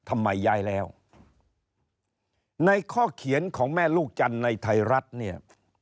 แม่ลูกจันทร์ในไทยรัฐเนี่ย